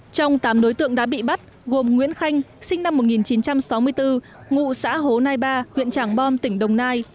trong tám đối tượng đã bị bắt gồm nguyễn khanh sinh năm một nghìn chín trăm sáu mươi bốn ngụ xã hồ nai ba huyện trảng bom tỉnh đồng nai